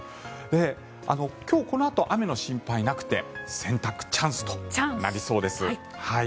今日、このあと雨の心配はなくて洗濯チャンスとなりそうです。